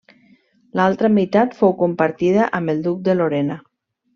L'altra meitat fou compartida amb el duc de Lorena.